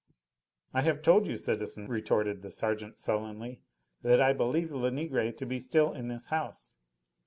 "I have told you, citizen," retorted the sergeant sullenly, "that I believe Lenegre to be still in this house.